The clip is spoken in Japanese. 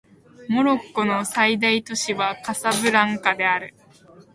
モロッコの最大都市はカサブランカである